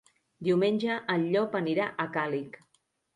Diumenge en Llop anirà a Càlig.